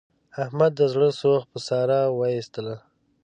احمد د زړه سوخت په ساره و ایستلا.